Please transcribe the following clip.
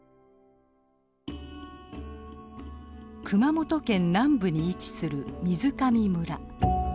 熊本県南部に位置する水上村。